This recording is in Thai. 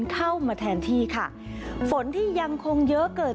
เข้ามาแทนที่ค่ะฝนที่ยังคงเยอะเกิด